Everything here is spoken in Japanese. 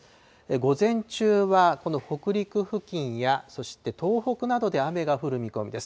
午前中はこの北陸付近やそして、東北などで雨が降る見込みです。